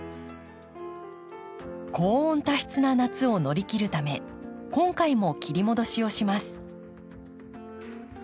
高温多湿な夏を乗り切るため今回も切り戻しをします。